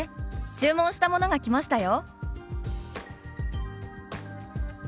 注文したものが来ましたよ」。